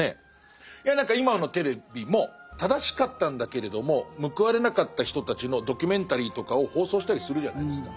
いや何か今のテレビも正しかったんだけれども報われなかった人たちのドキュメンタリーとかを放送したりするじゃないですか。